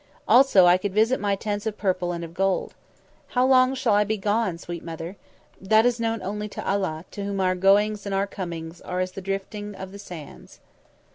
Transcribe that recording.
Also I could visit my Tents of Purple and of Gold. How long shall I be gone, sweet Mother? That is known only to Allah, to whom our goings and our comings are as the drifting of the sands."